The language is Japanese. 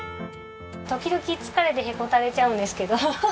時々疲れてへこたれちゃうんですけど。